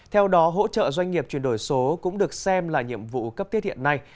theo đó hỗ trợ doanh nghiệp chuyển đổi số cũng được xem là nhiệm vụ cấp tiết hiện nay